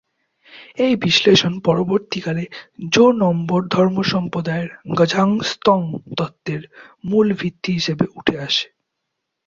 এই বিশ্লেষণ পরবর্তীকালে জো-নম্বর ধর্মসম্প্রদায়ের গ্ঝান-স্তোং তত্ত্বের মূল ভিত্তি হিসেবে উঠে আসে।